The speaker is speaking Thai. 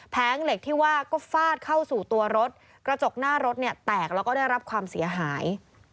เหล็กที่ว่าก็ฟาดเข้าสู่ตัวรถกระจกหน้ารถเนี่ยแตกแล้วก็ได้รับความเสียหาย